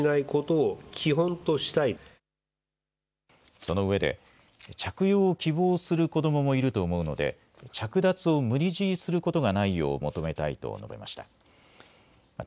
そのうえで着用を希望する子どももいると思うので着脱を無理強いすることがないよう求めたいと述べました。